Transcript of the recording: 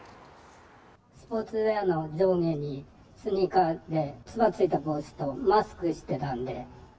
スポーツウエアの上下に、スニーカーで、つばの付いた帽子とマスクしてたので。